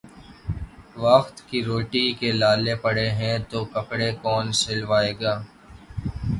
وقت کی روٹی کے لالے پڑے ہیں تو کپڑے کون سلوائے گا